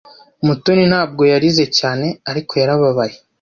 Mutoni ntabwo yarize cyane ariko yarababaye.